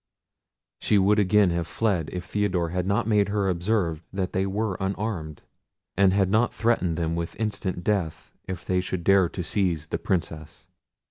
She would again have fled if Theodore had not made her observe that they were unarmed, and had not threatened them with instant death if they should dare to seize the Princess.